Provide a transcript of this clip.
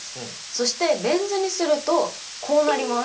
そしてベン図にするとこうなります。